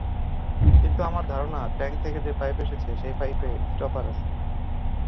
কিন্তু আমার ধারণা ট্যাংক থেকে যে পাইপ এসেছে সেই পাইপে স্টপার আছে।